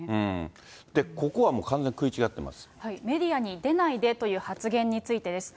ここはもう完全に食い違ってメディアに出ないでという発言についてです。